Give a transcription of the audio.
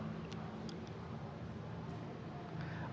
begini saya dua periode di bantaing